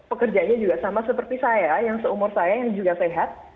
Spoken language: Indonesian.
pekerjanya juga sama seperti saya yang seumur saya yang juga sehat